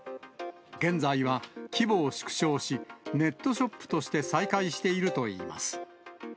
現在は規模を縮小し、ネットショップとして再開しているといいます。